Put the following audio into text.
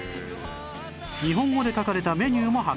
日本語で書かれたメニューも発見